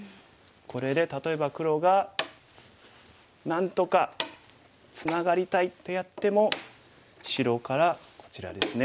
これで例えば黒がなんとかツナがりたいとやっても白からこちらですね。